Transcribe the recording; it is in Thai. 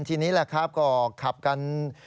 ทีนี้แหละครับก็ขับกัน